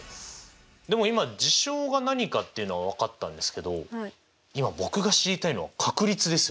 でも今事象が何かっていうのは分かったんですけど今僕が知りたいのは確率ですよね。